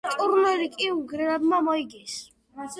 ტურნირი კი უნგრელებმა მოიგეს.